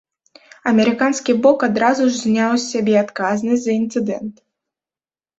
Амерыканская бок адразу ж зняла з сябе адказнасць за інцыдэнт.